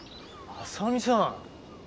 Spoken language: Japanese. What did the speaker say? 浅見さん。